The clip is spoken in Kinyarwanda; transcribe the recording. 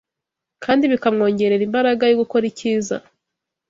kandi bikamwongerera imbaraga yo gukora icyiza